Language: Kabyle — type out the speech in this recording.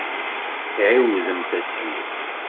Ɛiwdemt asiwel.